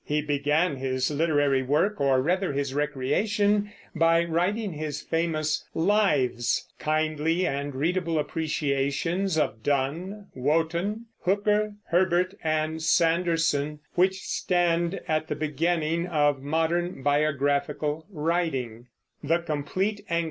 He began his literary work, or rather his recreation, by writing his famous Lives, kindly and readable appreciations of Donne, Wotton, Hooker, Herbert, and Sanderson, which stand at the beginning of modern biographical writing.